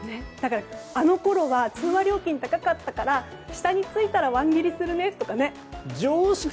あのころは通話料金高かったから下についたらワン切りするねとか。